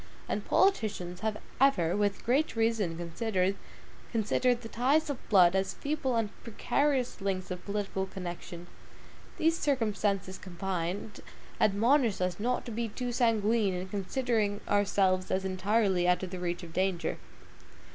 And politicians have ever with great reason considered the ties of blood as feeble and precarious links of political connection. These circumstances combined, admonish us not to be too sanguine in considering ourselves as entirely out of the reach of danger.